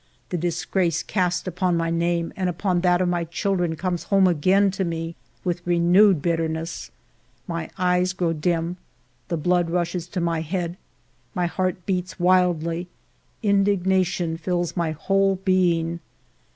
The disgrace cast upon my name ALFRED DREYFUS 185 and upon that of my children comes home again to me with renewed bitterness ; my eyes grow dim, the blood rushes to my head, my heart beats wildly, indignation fills my whole being.